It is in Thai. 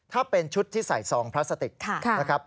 ถ้าเป็นชุดที่ใส่ซองพลาสติกนะครับ